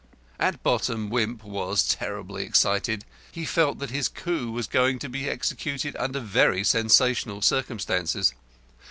At bottom Wimp was terribly excited. He felt that his coup was going to be executed under very sensational circumstances.